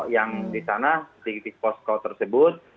yang disana titik titik posko tersebut